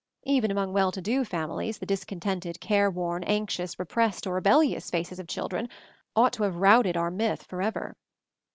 Even among well to do families, the dis contented, careworn, anxious, repressed, or rebellious faces of children ought to have routed our myth forever.